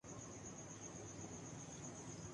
سیاست ہوتی ہی اقتدار کے لیے ہے۔